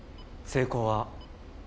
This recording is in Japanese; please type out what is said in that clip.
成功は。